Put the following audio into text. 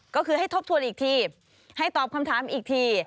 ก็คือให้ทบทวนอีกทีให้ตอบคำถามอีกที